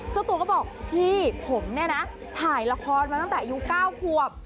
เจ้าตัวก็บอกพี่ผมเนี่ยนะถ่ายละครมาตั้งแต่อายุ๙ขวบ